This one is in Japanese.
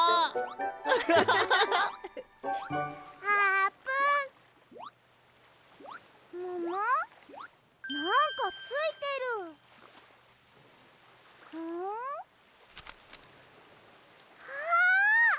ああ！